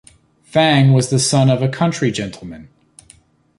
Fang was the son of a country gentleman.